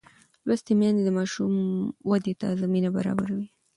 لوستې میندې د ماشوم ودې ته زمینه برابروي.